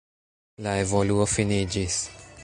La evoluo finiĝis.